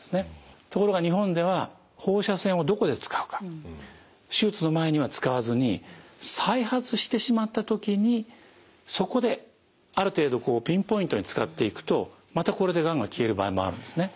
ところが日本では放射線をどこで使うか手術の前には使わずに再発してしまった時にそこである程度ピンポイントに使っていくとまたこれでがんが消える場合もあるんですね。